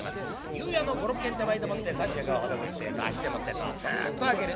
湯屋の５６軒手前でもって三尺をほどくってぇと足でもって戸をツッと開ける。